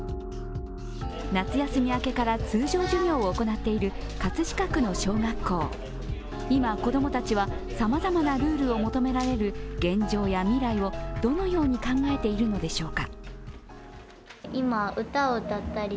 夏休み明けから通常授業を行っている葛飾区の小学校、今、子供たちはさまざまなルールを求められる現状や未来をどのように考えているのでしょうか。